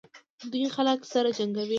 دوی خلک سره جنګوي.